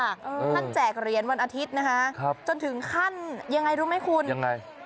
ท่านแจกเหรียญวันอาทิตย์นะคะครับจนถึงขั้นยังไงรู้ไหมคุณยังไง